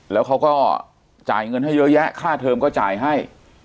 แล้วเขาก็จ่ายเงินให้เยอะแยะค่าเทอมก็จ่ายให้